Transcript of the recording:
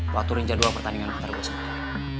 buat turin jadwal pertandingan qatar bosnia